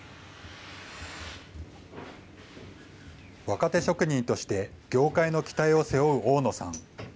若手職人として業界の期待を背負う大野さん。